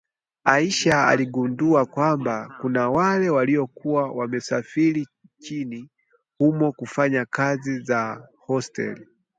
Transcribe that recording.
Aisha aligundua kwamba, kuna wale waliokuwa wamesafiri nchini humo kufanya kazi za hoteli